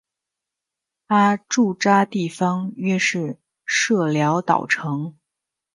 他驻扎地方约是社寮岛城。